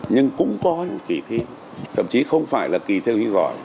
nhưng cũng có những kỳ thi thậm chí không phải là kỳ thi học sinh giỏi